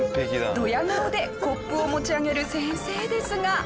ドヤ顔でコップを持ち上げる先生ですが。